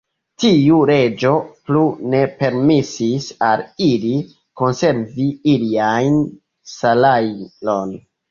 Tiu leĝo plu ne permesis al ili konservi ilian salajron.